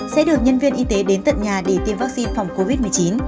sẽ được nhân viên y tế đến tận nhà để tiêm vaccine phòng covid một mươi chín